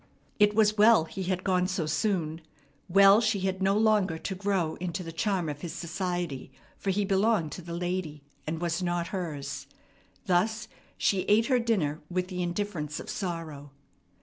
It was well he had gone so soon, well she had no longer to grow into the charm of his society; for he belonged to the lady, and was not hers. Thus she ate her dinner with the indifference of sorrow.